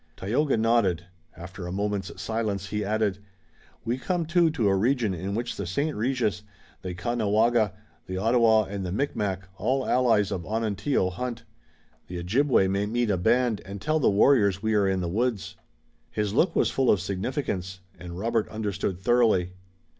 Tayoga nodded. After a moment's silence he added: "We come, too, to a region in which the St. Regis, the Caughnawaga, the Ottawa and the Micmac, all allies of Onontio, hunt. The Ojibway may meet a band and tell the warriors we are in the woods." His look was full of significance and Robert understood thoroughly.